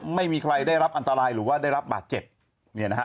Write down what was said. ไม่มีใครได้รับอันตรายหรือว่าได้รับบาดเจ็บเนี่ยนะฮะ